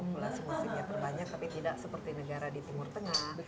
populasi musiknya terbanyak tapi tidak seperti negara di timur tengah